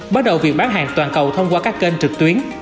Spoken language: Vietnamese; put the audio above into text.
bắt đầu việc bán hàng toàn cầu thông qua các kênh trực tuyến